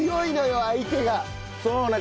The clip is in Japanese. そうね。